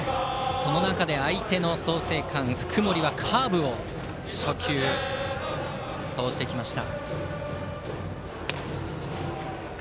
その中で相手の創成館、福盛はカーブを初球、投じました。